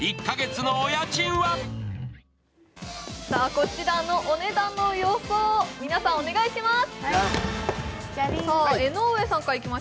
こちらのお値段の予想、皆さんお願いします。